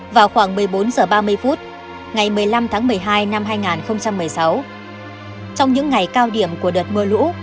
vào khoảng một mươi bốn h ba mươi phút ngày một mươi năm tháng một mươi hai năm hai nghìn một mươi sáu trong những ngày cao điểm của đợt mưa lũ